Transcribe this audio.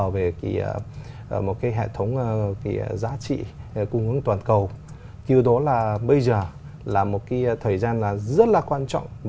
và hợp tác